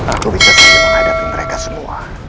aku ingin menghadapi mereka semua